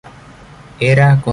Era conocido como El Flaco.